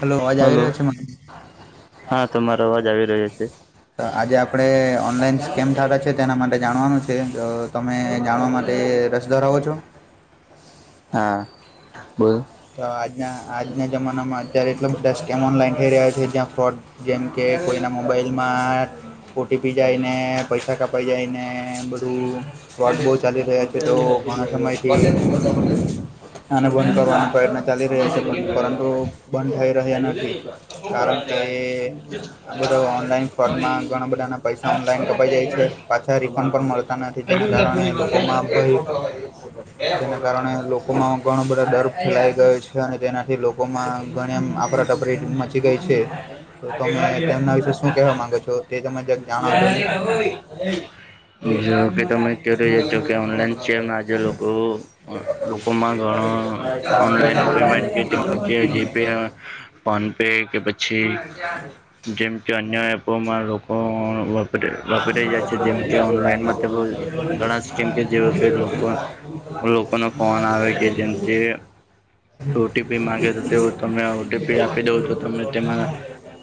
Hello અવાજ આવી રહ્યો છે મારે. હા તમારો અવાજ આવી રહ્યો છે. તો આજે આપડે ઓનલાઈન કેમ ના. છે તેના માટે જાણવાનું છે અ તમે જાણવા માટે રસ ધરાવો છો. હા બોલો. તો આજના આજના જમાનામાં અત્યારે એટલા બધા સ્કેમ ઓનલાઈન થઈ રહ્યા છે જ્યાં ફ્રોડ જેમ કે કોઈના મોબાઈલમાં ઓટીપી જાય ને પૈસા કાપાઈ જાય ને બધું ફોડ બહુ ચાલી રહ્યા છે તો ઘણા સમયથી આને બંધ કરવાના પ્રયત્ન ચાલી રહ્યા છે પરંતુ બંધ થઈ રહ્યા નથી કારણ કે આ બધા ઓનલાઈન ફોડમાં ઘણા બધા ના પૈસા ઓનલાઈન કપાઈ જાય છે પાછા રિફંડ પણ મળ તા નથી તેના કારણે લોકોમાં બઉ. જેના કારણે લોકોમાં ઘણા બધા ડર ફૈલાઈ ગયો છે અને તેનાથી લોકોમાં ઘણી આમ આફરાતફરી મચી ગઈ છે. તો તમે તેમના વિશે શું કેવા માંગો છો તે તમે જાણો છો અરે ન [inaudible] જોકે તમે ધરે જો કે ઓનલાઈન છે એમ આજે લોકો લોકોમાં ઘણો ઓનલાઈન પેમેન્ટ ને જીપી આર. ફોન પે કે પછી જેમ કે અન્ય એપોમાં લોકો વાત વાપરી જાય છે જેમ કે ઓનલાઈનમાં તે બો ઘણા સ્કેમ કેમ કે જે કે લોકો લોકો ન ફોન આવે કે જેમથી. ઓ ટી પી માંગે તો તેઓ તમે ઓ ટી પી આપી દઉં તો તમે તેમા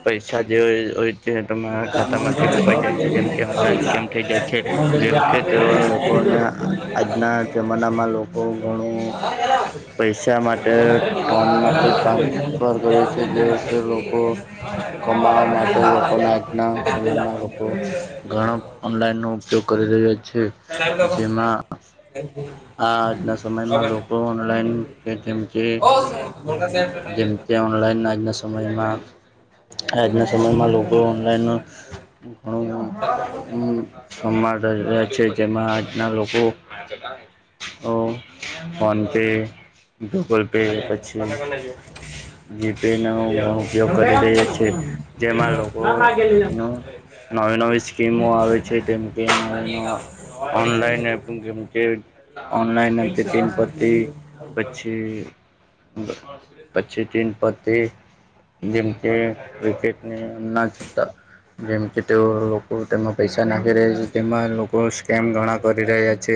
પૈસા જે હોય તે તમારા ખાતામાં છે આપેલા કપાઈ જાય છે જેમ કે આમના સ્કેમ થઈ જાય છે જેમ કે તેઓ લોકોને આ આજના જમાનામાં લોકો ઘણું પૈસા માટે ફોન માટેથી ટ્રાન્સફર કરે છે જે કે લોકો કમાવા માટે લોકો ના [unintelligible] [inaudible] [unintelligible] લોકો ઘણા ઓનલાઈન નો ઉપયોગ કરી રહ્યા છે જેમાં [unintelligible] આ આજના સમયમાં લોકો ઓનલાઈન કે જેમ કે બહુ સરસ જેમ કે ઓનલાઈન આજના સા સમયમાં આજના સમયમાં લોકો ઓનલાઈન ઘણું હમ્મ [unintelligible] રે છે જેમાં આજના લોકો લોકો ફોન પે ગૂગલ પે પછી જીપે નો ઘણો ઉપયોગ કરી રહી છીએ. જેમાં લોકો નું નવી નવી સ્કીમો આવે છે જેમ કે [unintelligible] ઓનલાઈન એપ કેમ કે ઓનલાઈનમ ટીનપતી પછી પછી તીન પ તે જેમકે ક્રિકેટને ના [unintelligible] જેમ કે તેઓ લોકો તેમાં પૈસા નાખી રહ્યા છે તેમાં લોકો સ્કેમ ઘણા કરી રહ્યા છે.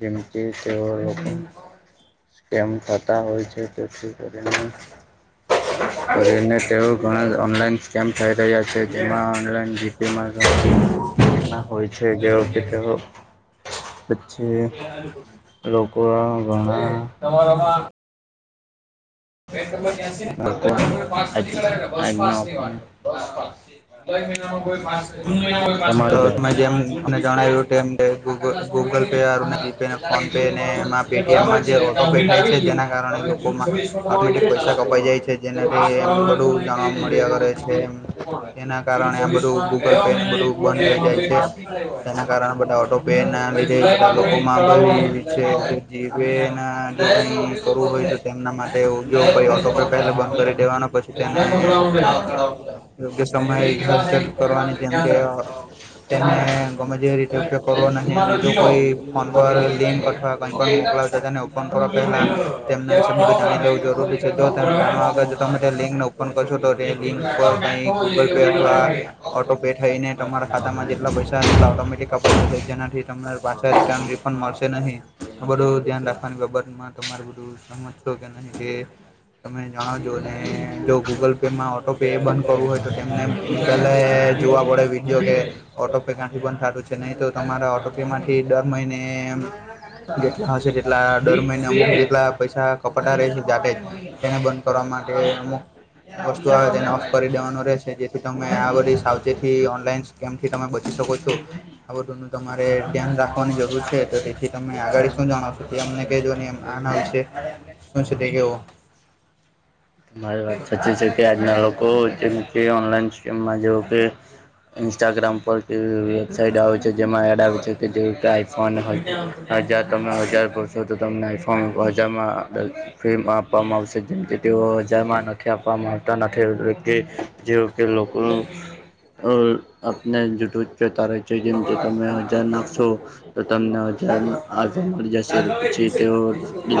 જેમ કે તવો લોકો સ્કેમ થતા હોય છે તેથી કરીને કરીને તેઓ ઘણા ઓનલાઈન સ્કેમ થઈ રહ્યા છે જેમાં [unintelligible] ના હોય છે જેવો કે તેવો પછી લોકો ઘણા [inaudible] બેટ નંબર ક્યાસી ને આજનો જુલાઈ મહિનામાં કોઈ પાસ કરે, જૂન મહિનામાં કોઈ પાસ કરે, તો જૂન તમે જેમ મહિનામાં, જૂન મને ચોવીસ પહેલી જણાવ્યું તેમ ગૂગ ગૂગલ પેને જીપેને ફોન પે ને એમાં જગ્યાએ. એ બરાબર પેટીએમમાં છે જે ઓટો એટલે પે હું ઈટ થાય છે આવી ગયું જેના કારણે લો હવે જૂન લોકોમાં છવ્વીસ માં તમારું એક ઓટોમેટીક જ પૈસા ક્લાસ કપાઈ જાય લેવાનો છે જો જેનાથી પાસ એમ કરાવવાનો હોય બધું તો મને કહી જાણવા દેજો મળ્યા કરે એટલે છે આપણે એમ. રાખીએ. એના જૂન કારણે આ છવ્વીસ બધું માં ગૂગલ ગયા પેને મહિના જે બધું પૂરો બંધ થયો થઈ એમાં જાય કોઈ છે પાસ નહીં કરાવ્યો હોય. જેના કારણે બધા ઓટો પે ના હવે લીધે જુલાઈમાં કોઈ લોકોમાં ભઈ કરાવવાનો છે હોય. જીપે ન અંદર જુલાઈ સર કઈ ઓગણીસો કરવું હોય તો પંદર એમના માટે જો જુલાઈ કોઈ ઓટો ઓગણીસો પે પંદર પહેલા આ બંધ મહિનો કરી દેવાનો પછી તેને જુલાઈમાં ભરાવાનું હા, રહેશે. કરાવવાનું છે. યોગ્ય એટલે એ સમયે કેટલા [unintelligible] થાય ચેક એ વાતે કરવાની જેમ કે તેને ધ્યાન ગમે તેવી કેમકે રાખજો કરો નહીં જૂનમાં અને તો જો જીરો કોઈ મતલબ ફોન એ પર થાય લિંક કે, અથવા કઈ શું કે પણ એકદમ મોકલાવતા તેને ઓ ઓપન કરવા પહેલા તેમના વિશે જેવા નવો બધી જાણ ગણો લેવું એટલે ખબર જરૂરી એ તો છે નવ જો તે ભરાવે કાર ને મોંઘો. આગળ જો તમે તે લિંકને ઓપન કરશો તો તે એટલે લિંક આખો પર મેચ કઈ થવો જોઈએ ગૂગલ કે પે પછી અથવા ગરબા થાય. ઓકે. ઑટો પે થઈ ને તમારા ખાતામાં જેટલા પૈસા એટલા ઓટોમેટિક કપાઈ જ શે જેનાથી તમા પાછા રિટર્ન પણ મળશે નહી આ બધું ધ્યાન રાખવાની બાબતમાં તમાર બધું સમજ સો કે અને કે તમે જણાવજો ને જો ગૂગલ પેમાં ઓટો પે એ બંધ કરવું હોય તો તેમને પેલે જોવા પડે વિડીયો કે ઓટો પે કાંથી બંદ થતું છે નહી તો તમારા ઓટો તેમાંથી દર મહિને જેટલા હશે તેટલા દર મહિને અમુક જેટલા પૈસા કપાતા રહે છે જાતે જ તેને બંધ કરવા માટે અમુક વસ્તુ આવે તેને ઓફ કરી દેવાનું રહે છે જે તમે આ બધી સાવચેથી ઓનલાઈન સ્કેમ થી તમે બચી શકો છો. આ બધુંનું તમારે ધ્યાન રાખવાની જરૂર છે તો તેથી તમે આગળ શું જણાવશો તે અમને કહેજો ને એ આના વિશે શું છે તે કેવો. તમારી વાત સાચી છે. કે આજના લોકો જેમ કે ઓનલાઈન સ્ટ્રીમ માં જેવું કે ઇન્સ્ટાગ્રામ પરથી વેબસાઇટ આવે છે જેમાં એડ આવે છે કે જે કે આઈફોન હોય હજાર તમે હજાર ભર સો તો તમને આઈફોર્મ હજારમાં અ ફ્રીમાં આપવામાં આવશે જેમ કે તેઓ હજારમાં નથી આપવામાં આવતા નથી એ કે જેવ કે લોકોનું ઓ આપને જૂઠું જતા રહે છે જેમ જે તમે હજાર નાખશો તો તમને હજારના આવી મળી જશ છે પછી તેઓ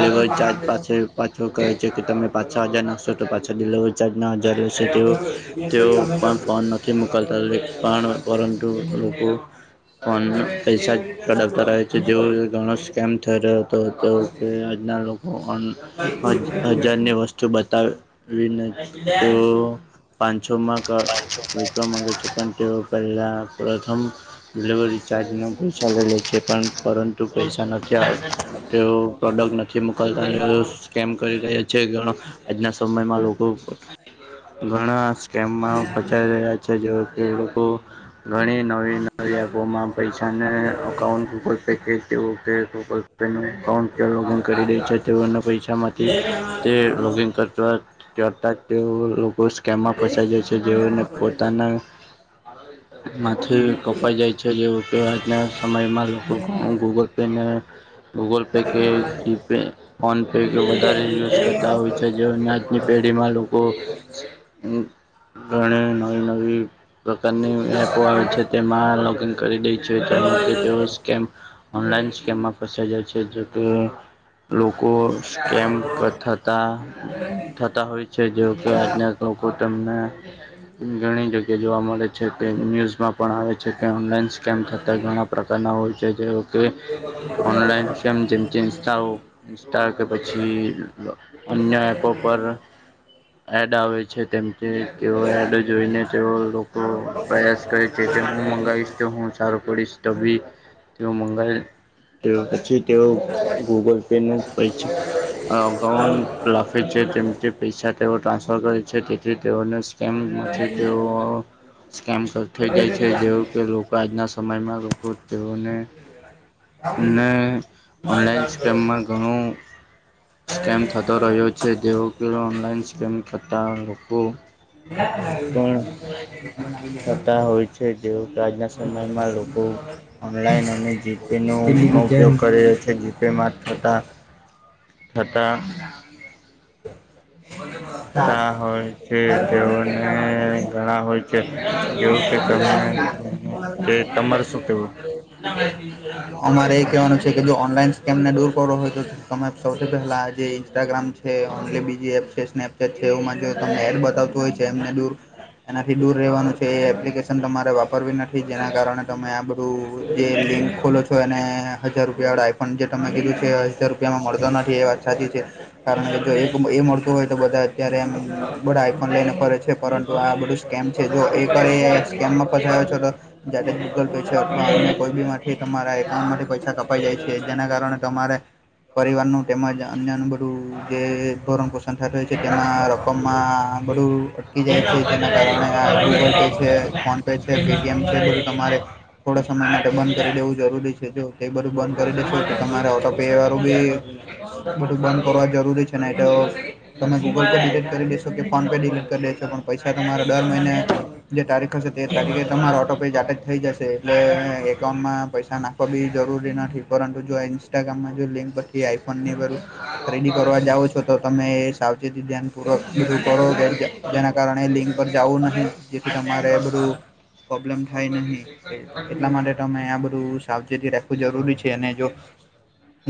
લેવર ચાર્જ પાસે પાછું કહે છે કે તમે પાછા હજાર નાખશો તો પાછા દેલો [unintelligible] ના હાજર રહેશે તેઓ તેઓ પણ ફોન નથી મોકલતા પણ પરંતુ લોકો ફોનના પૈસા જ કઢાવતા રહે છે જેવો ઘણો સ્કેમ થઈ રહ્યો હતો તેઓ તે આજના લોક ફોન હજ હજાર ની વસ્તુ બતાવે વિન તેઓ પાન્સો માં ક વેચવા મંગે છે પણ તેઓ પહેલા પ્રથમ ડિલિવરી ચાર્જના પૈસા લઈ લે છે પણ પરંતુ પૈસા નથી આવ તેઓ પ્રોડક્ટ નથી મોકલતા [unintelligible] સ્કેમ કરી રહ્યા છે ઘણા આજના સમયમાં લોકો ઘણા કેમમાં ફસાઈ રહ્યા છે જેઓ કે એ લોકો ઘણી નવી ન વી એપો મા પૈસાને અકાઉન્ટ ગૂગલ પે કે તેવું કે ગૂગલ પે નું અકાઉન્ટ પર લોૉગિન કરી દે છે તેઓના પૈસામાંથી તે કસરત કરતા જ તેઓ લોક તેઓ સ્કેમ માં ફસાઈ જાય છે જેઓને પોતાના માંથી કપાઈ જાય છે જેવું કે આજના સમયમાં લોકો ગૂગલ પેને ગૂગલ પે કે જીપે ફોન પે કે વધારે યુઝ કરતા હોય છે જેઓના આજની પેઢીમાં લોકો ઘણી નવી નવી પ્રકારની એપો આવે છે તેમાં લોગીન કરી દે છે કે તેઓ કે સ્કેમ ઓનલાઈન સ્કેમમાં ફસાઈ જાય છે જોકે લોકો સ્કેમ ક થતા થતા હોય છે જેઓકે આજના લોકો તમને ઘણી જગ્યા જોવા મલે છે તે ન્યૂઝમાં પણ આવે છે કે ઓનલાઈન સ્કેમ થતાં ઘણા પ્રકારના હોય છે જેઓ કે ઓનલાઇન સ્કેમ જેમ કે ઈન્સ્ટાઓ ઇન્સ્ટા કે પછી અન્ય એ પ્રોપર પર એડ આવે છે તેમ તે તેઓ એડ જોઈને તેઓ લોકો પ્રયાસ કરે છે કે હું મંગાવીશ તો હું સારું પડીશ ટો ભી તેઓ મંગાઇ તેઓ પછી તેઓ ગૂગલ પેનું પૈછ અકાઉન લખે છે તેમતે પૈસા તેઓ ટ્રાન્સફર કરે છે તેથી તેઓને સ સ્કેમ મા થી તેઓ સ્કેમ સ થઈ જાય છે જેવું પેલુ આજના સમયમાં લોકો તેઓને ને ઓનલાઈન સ્કેમમાં ઘણું સ્કેમ થત તો રહ્યો છે જેવું કે ઓનલાઈન સ્કેમ થતાં લોકો પણ થતા હોય છે જેવું કે આજના સમયમાં લોકો ઓનલાઈન અને જીપે નો ઘણો ઉપયોગ કરી રહ્યો છે જે પેમાં થતા થતા [unintelligible] [unintelligible] [unintelligible] હોય છે તેઓને ઘણા હોય છે એવું કે તમને કે તમારે શું કેવું? અમારે એ કેવાનું છે કે જો ઓનલાઈન સ્કેમ ને દૂર કરવો હોય તો તમે સૌથી પહેલા આ જે ઇન્સ્ટાગ્રામ છે ઓનલી બીજી એપ છે સ્નેપચેટ છે એવુંમાં જો તમે બતાવતું હોય છે એમને દૂર એનાથી દુર રેવાનું છે એ એપલી કેસ એન તમારે વાપરવી નથી જેના કારણે તમે આ બધું જે લિંક ખોલો છો એને હજાર રૂપિયા વાળા આ પણ જે તમે કીધું છે, હજાર રૂપિયામાં મળતો નથી એ વાત સાચી છે. કારણ કે જો એક એ મળતું હોય તો બધા અત્યારે એમ બધા આઈફોન લઈને ફરે છે પરંતુ આ બધુ સ્કેમ છે જો એ કરે એ સ્કેમમાં ફસો છો, તો જાતે ગૂગલ પે છે અથવા અન્ય કોઈ બી માંથી તમારા એકાઉન્ટમાંથી પૈસા કપાઈ જાય છે જેના કારણે તમારે પરિવારનું તેમજ અન્યનું બ ધું જે ભરણ પોષણ થાતું હોય છે, તેમાં રકમમાં બડુ કી જાય છે જેના કારણે આ ગૂગલ પે છે ફોન પે છે પેટીએમ છે બધું તમારે થોડા સમય માટે બન કરી દેવું જરૂરી છે જો એ બધું બન કરી દેેશો તો તમારે ઓટો પે વારું બી બધું બંધ કરવા જરૂરી છે નાઇ તો તમે ગૂગલ પે ડીલીટ કરી દેશો કે ફોન પે ડીલીટ કરી દેશો પણ પૈસા તમારે દર મઇને જે તારીખ હસે તે તારીકે તમારો ઓટો પે જાતે જ થઈ જશે એટલે એકાઉન્ટમાં પૈસા નાખ કોબી જરૂરી નથી પરંતુ જો ઈન્સ્ટાગ્રામ માં જો લિંક પથી આઈફોન ઈ બધુ ખરીદી કરવા જાઓ છો, તો તમે એ સાવચેતી ધ્યાન પૂરક બધું કરો કે જા જેના કારણે લિંક પર જાવું નહિ જેથી તમારે બધું પ્રોબ્લેમ થાય નહી કે એટલા માટે તમે આ બધું સાવચેતી રાખવું જરૂરી છે અને જો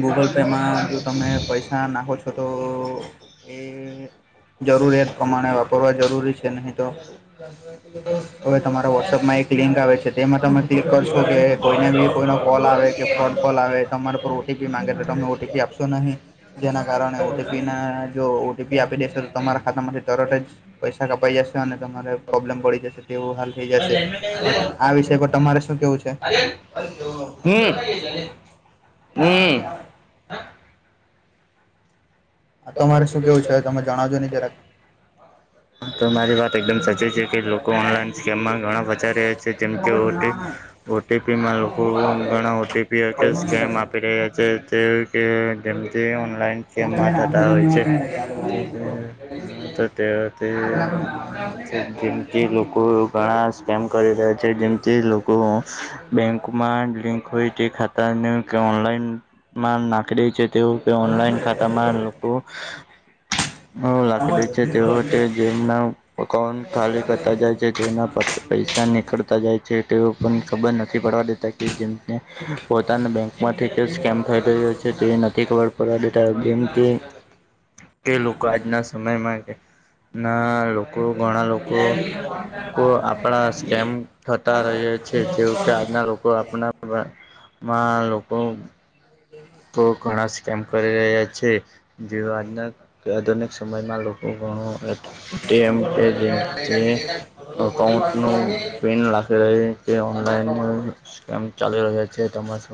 ગૂગલ પેમાં જો તમે પૈસા નાખો છો તો એ જરૂરિયાત પ્રમાણે વાપરવા જરૂરી છે નહી, તો હવે તમારા વોટ્સઅપમાં એક લિંક આવે છે તેમાં તમે ક્લિક કરશો કે કોઈને બી કોઈનો કોલ આવે કે ફ્રોડ કોલ આવે તમારા પર ઓ ટી ટીપી માંગે તો તમે ઓટીપી આપશો નહી જેના કારણે ઓટીપી ના જો ઓટીપી આપી ડેસો તો તમારા ખાતામાંથી તરત જ પૈસા કપાઈ જાશે અને તમારે પ્રોબ્લેમ પડી જશે તેવું હાલ થઈ જશે આ વિષય પર તમારે શું કેવુ છે. હમ્મ આ તમારે શું કેવું છે તમે જણાવજો ની જરાક તમારી વાત એકદમ સાચી છે કે લોકો ઓનલાઈન સ્કેમમા ઘણા ફસાઈ રહ્યા છે જેમકે ઓ ટી ઓટીપીમાં લોકો ઘણા ઓટીપી કે સ્કેમ આપી રહ્યા છે જે કે કેમકે ઓનલાઇન મુંતાઇના આવયચે ત તે તે આપડું જેમકે લોકો ઘણા સ્કેમ કરી રહ્યા છે, જેમકે લોકો બેંકમાં લિંક હોય તે ખાતાને ક ઓનલાઈનમાં નાખી દેય છે. તેવું તે ઓનલાઈન ખાતામા ઓ હું લાખી દેય છે, તેઓ તે જે એના અકાઉન્ટ ખાલી કરતા જાય છે જેના પૈસા નીકળતા જાય છે. તેઓ પણ ખબર નથી પડવા દેતા કે જેમ પોતાના બેંકમાંથી જે સ્કેમ થઈ રહ્યો છે, તે નથી ખબર પડવા દેતા જેમ કે તે લોકો આજના સમયમાં કે ના લોકો ઘણા લોકો આપણા સ્કેમ થતા ર છે જેવ કે આજના લોકો આપ મા લોકો તો ઘણા શ કેમ કરી રહ્યા છે, જે આજના આધુનિક સમયમાં લોકો ઘણો પ ટીએમ પે જેમથી અકાઉન્ટનું પિન લખી રહી. કેનલાઈનમ ચાલી રહ્યા છે, તમા સ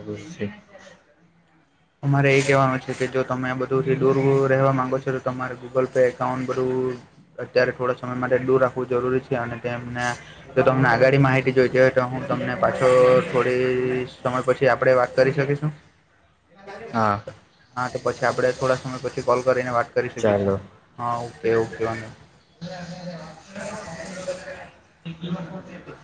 તમારે એ કેવાનું છે કે જો તમે બધું થી દૂરવાનુ માંગો છો તમારે ગૂગલ પે એકાઉન્ટ ભરુ અત્યારે થોડા સમય માટે દૂર રાખવું જરૂરી છે અને તેમને તો તમને આગળ માહિતી જોઈ જ તો હુ, તેમ પાછો થોડી સમય પછી આપડે વાત કરી શકીશું હા હા તો પછી આપડ થોડા સમય પછી કોલ કરીને વાત કરી શકી ચાલો હા ઓકે ઓકે વા [inaudible] [unintelligible]